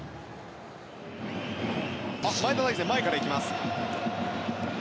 前田大然前から行きます。